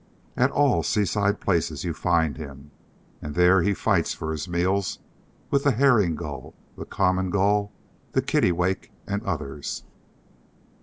At all seaside places you find him, and there he fights for his meals with the Herring Gull, the Common Gull, the Kittiwake and others.